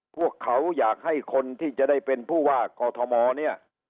พวกเขาอยากให้คนที่จะได้เป็นผู้ว่ากอทมเนี่ย